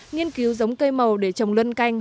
nghiên cứu giống cây màu để trồng lân canh